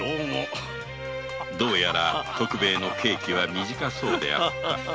どうやら徳兵衛の刑期は短そうだ。